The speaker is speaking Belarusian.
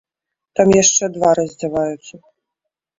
Там яшчэ два раздзяваюцца.